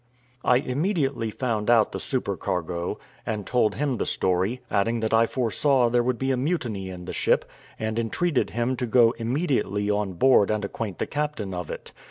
I immediately found out the supercargo, and told him the story, adding that I foresaw there would be a mutiny in the ship; and entreated him to go immediately on board and acquaint the captain of it.